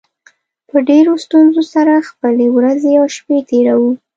په ډېرو ستونزو سره خپلې ورځې او شپې تېروو